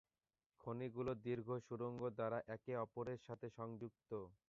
খনিগুলি দীর্ঘ সুড়ঙ্গ দ্বারা একে অপরের সাথে সংযুক্ত।